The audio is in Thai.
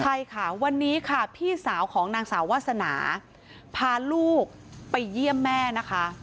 ใช่ค่ะวันนี้ค่ะพี่สาวของนางสาววาสนาพาลูกไปเยี่ยมแม่นะคะ